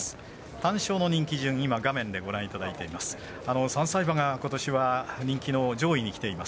単勝の人気順を今画面でご覧いただいています。